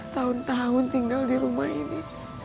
tahun tahun tinggal di rumah ini